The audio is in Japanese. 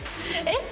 えっ！